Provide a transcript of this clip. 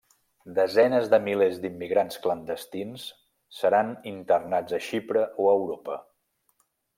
Desenes de milers d'immigrants clandestins seran internats a Xipre o a Europa.